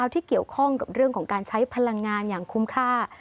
ที่เกี่ยวข้องกับเรื่องของการใช้พลังงานอย่างคุ้มค่า